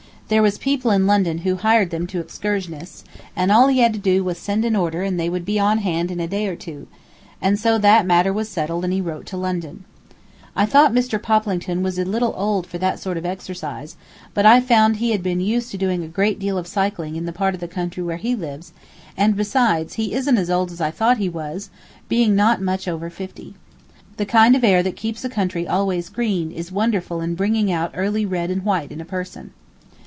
There was people in London who hired them to excursionists, and all he had to do was to send an order and they would be on hand in a day or two; and so that matter was settled and he wrote to London. I thought Mr. Poplington was a little old for that sort of exercise, but I found he had been used to doing a great deal of cycling in the part of the country where he lives; and besides, he isn't as old as I thought he was, being not much over fifty. The kind of air that keeps a country always green is wonderful in bringing out early red and white in a person.